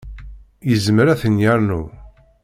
Yezmer ad ten-yernu.